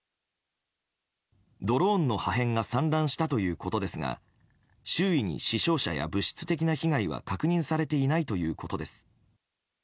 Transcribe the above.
ドローンの破片が散乱したということですが周囲に死傷者や物質的な被害は確認されていないということです。